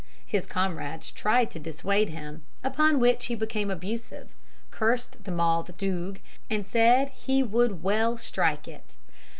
His comrades tried to dissuade him, upon which he became abusive, cursed the Mauthe Doog, and said he would d d well strike it.